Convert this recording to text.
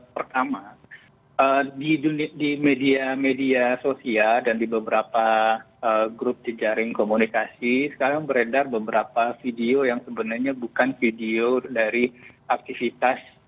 pertama di media sosial dan di beberapa grup di jaring komunikasi sekarang beredar beberapa video yang sebenarnya bukan video dari aktivitas gunung anak kepala